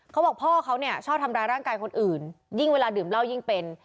เขาบอกพ่อเขาเนี่ยชอบทำร้ายร่างกายคนอื่นยิ่งเวลาดื่มเหล้ายิ่งเป็น